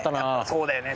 そうだよね。